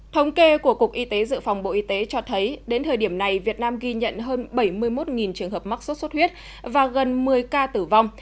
thống kê của cục y tế dự phòng bộ y tế cho thấy đến thời điểm này việt nam ghi nhận hơn bảy mươi một trường hợp mắc sốt xuất huyết và gần một mươi ca tử vong